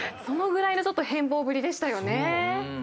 そのぐらいの変貌ぶりでしたよね。